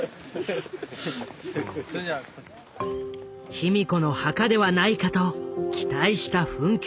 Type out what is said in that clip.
卑弥呼の墓ではないかと期待した墳丘墓。